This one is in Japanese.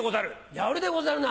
やるでござるな。